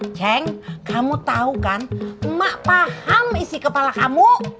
haceng kamu tahu kan mak paham isi kepala kamu